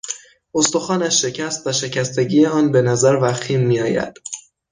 استخوانش شکست و شکستگی آن به نظر وخیم میآید.